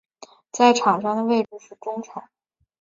在场上的位置是中场。